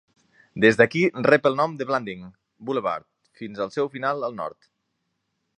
Des d'aquí rep el nom de Blanding Boulevard fins al seu final al nord.